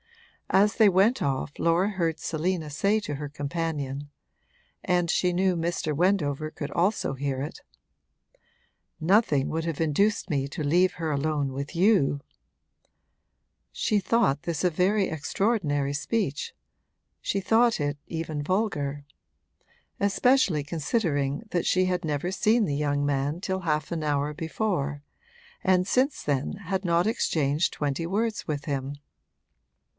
As they went off Laura heard Selina say to her companion and she knew Mr. Wendover could also hear it 'Nothing would have induced me to leave her alone with you!' She thought this a very extraordinary speech she thought it even vulgar; especially considering that she had never seen the young man till half an hour before and since then had not exchanged twenty words with him.